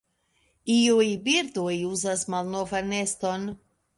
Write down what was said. Iuj birdoj uzas malnovan neston.